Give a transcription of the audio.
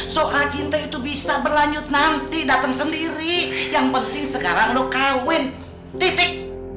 soal cinta itu bisa berlanjut nanti datang sendiri yang penting sekarang lo kawin titik